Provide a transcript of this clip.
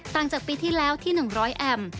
จากปีที่แล้วที่๑๐๐แอมป